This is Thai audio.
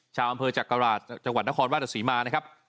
ชาวอำเภอจักราชจังหวัดนครราชสีมานะครับ